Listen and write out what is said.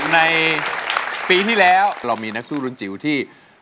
ในปีที่แล้วเรามีนักสู้รุ่นจิ๋วที่